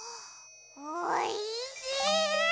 おいしい！